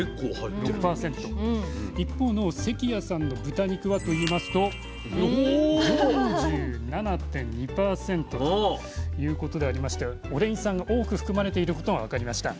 一方の関谷さんの豚肉はといいますと４７．２％ということでありましてオレイン酸が多く含まれていることが分かりました。